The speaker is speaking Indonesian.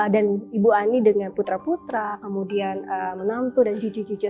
dan ibu ani dengan putra putra kemudian menantu dan jujur jujur